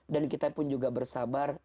dan kita pun juga bersabar